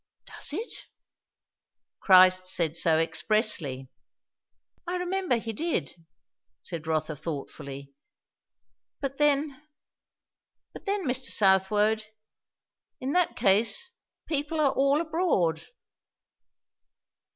"Does it!" "Christ said so expressly." "I remember he did," said Rotha thoughtfully. "But then but then, Mr. Southwode, in that case, people are all abroad!"